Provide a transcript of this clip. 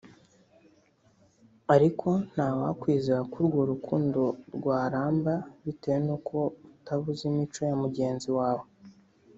ariko nta wakwizera ko urwo rukundo rwaramba bitewe nuko utaba uzi imico ya mugenzi wawe